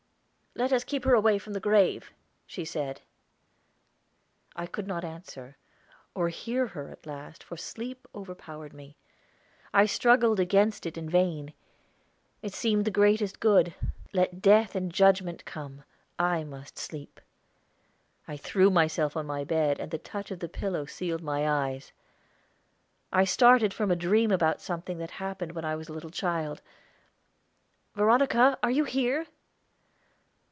"Let us keep her away from the grave," she said. I could not answer, or hear her at last, for sleep overpowered me. I struggled against it in vain. It seemed the greatest good; let death and judgment come, I must sleep. I threw myself on my bed, and the touch of the pillow sealed my eyes. I started from a dream about something that happened when I was a little child. "Veronica, are you here?"